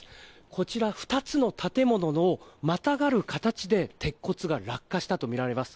こちら２つの建物にまたがる形で鉄骨が落下したとみられます。